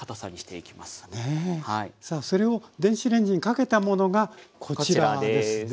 さあそれを電子レンジにかけたものがこちらですね。